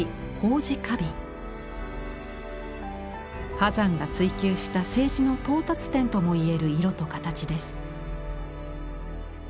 波山が追求した青磁の到達点とも言える色と形です。